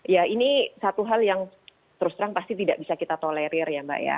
ya ini satu hal yang terus terang pasti tidak bisa kita tolerir ya mbak ya